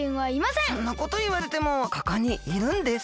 そんなこといわれてもここにいるんです。